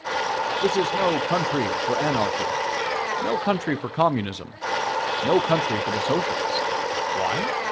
This is no country for Anarchy, no country for Communism, no country for the Socialist. Why?